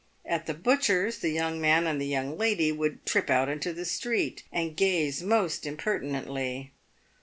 At the butcher's, the young man and the young lady would trip out into the street and gaze most impertinently.